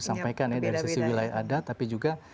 sampaikan ya dari sisi wilayah ada tapi juga